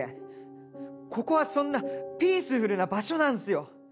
ここはそんなピースフルな場所なんすよ。